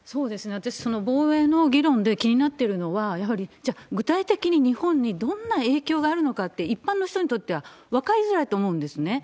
私、その防衛の議論で気になってるのは、やはり、じゃあ具体的に日本にどんな影響があるのかって、一般の人にとっては分かりづらいと思うんですね。